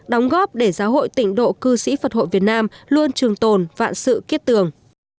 đóng góp để giáo hội tỉnh độ cư sĩ phật hội việt nam luôn trường tồn vạn sự kiết tường